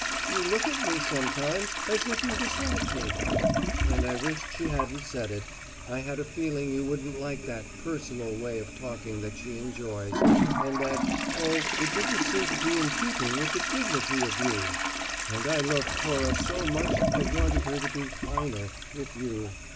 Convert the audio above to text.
You look at me, sometimes, as if you dislike me!' And I wished she hadn't said it. I had a feeling you wouldn't like that `personal' way of talking that she enjoys and that oh, it didn't seem to be in keeping with the dignity of You! And I love Cora so much I wanted her to be finer with You.